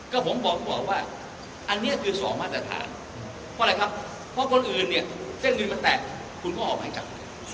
ก็ผมบอกว่าอันนี้คือสองมาตรฐานเพราะอะไรครับเพราะคนอื่นเนี่ยเส้นเงินมันแตกคุณก็ออกหมายจับ